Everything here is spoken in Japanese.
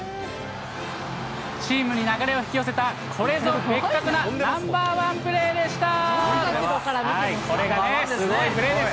チームに流れを引き寄せたこれぞ、ベッカクなナンバーワンプレーでした。